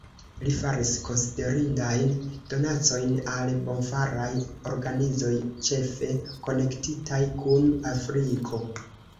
Li faris konsiderindajn donacojn al bonfaraj organizoj, ĉefe konektitaj kun Afriko.